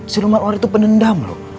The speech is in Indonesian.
si leman ular itu penendam lo